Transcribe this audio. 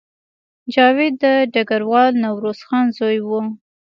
جاوید د ډګروال نوروز خان زوی و